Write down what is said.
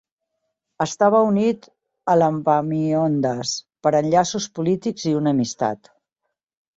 Estava unit a l"Epaminondas per enllaços polítics i una amistat.